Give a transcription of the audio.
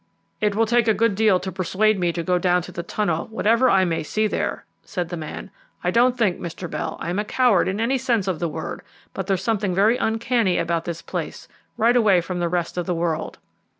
"It will take a good deal to persuade me to go down to the tunnel, whatever I may see there," said the man. "I don't think, Mr. Bell, I am a coward in any sense of the word, but there's something very uncanny about this place, right away from the rest of the world.